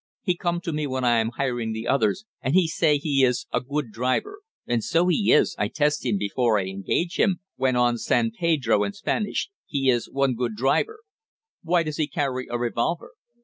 He come to me when I am hiring the others, and he say he is a good driver. And so he is, I test him before I engage him," went in San Pedro in Spanish. "He is one good driver." "Why does he carry a revolver?"